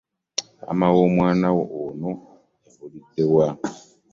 Maama w'omwana ono yabulidewa?